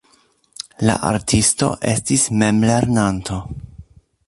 La artisto estis memlernanto.